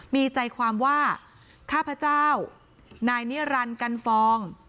มีใจความว่าข้าพเจ้านายนิรันดิ์กันฟอง